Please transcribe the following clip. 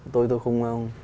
tôi tôi không